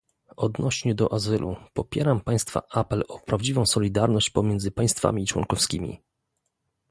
Odnośnie do azylu, popieram państwa apel o prawdziwą solidarność pomiędzy państwami członkowskimi